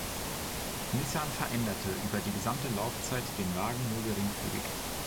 Nissan veränderte über die gesamte Laufzeit den Wagen nur geringfügig.